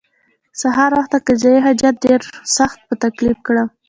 سهار خواته قضای حاجت ډېر سخت په تکلیف کړم.